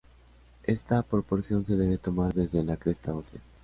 Esta proporción se debe tomar desde la cresta ósea.